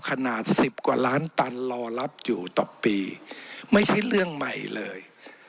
ขนาดสิบกว่าล้านตันรอรับอยู่ต่อปีไม่ใช่เรื่องใหม่เลย